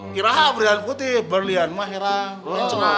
kira kira berlian putih berlian mah kira